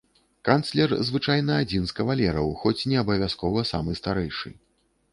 Канцлер звычайна адзін з кавалераў, хоць не абавязкова самы старэйшы.